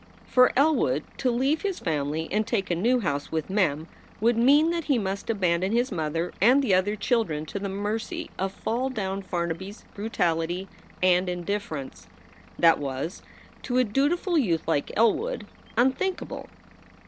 For Elwood to leave his family and take a new house with Mem would mean that he must abandon his mother and the other children to the mercy of Fall down Farnaby s brutality and indifference. That was, to a dutiful youth like Elwood, unthinkable.